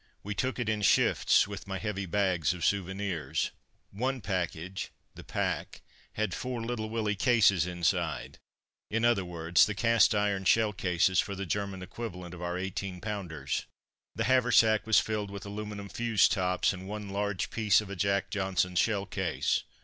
We took it in shifts with my heavy bags of souvenirs. One package (the pack) had four "Little Willie" cases inside, in other words, the cast iron shell cases for the German equivalent of our 18 pounders. The haversack was filled with aluminium fuse tops and one large piece of a "Jack Johnson" shell case.